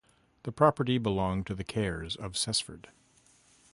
The property belonged to the Kerrs of Cessford.